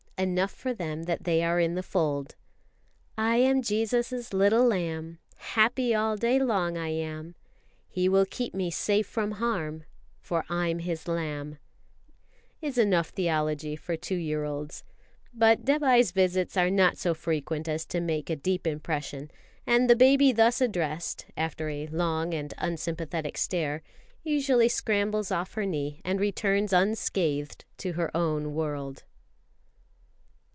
Enough for them that they are in the fold I am Jesus' little lamb, Happy all day long I am; He will keep me safe from harm, For I'm His lamb is enough theology for two year olds; but Dévai's visits are not so frequent as to make a deep impression, and the baby thus addressed, after a long and unsympathetic stare, usually scrambles off her knee and returns unscathed to her own world.